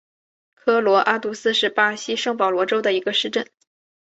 科罗阿杜斯是巴西圣保罗州的一个市镇。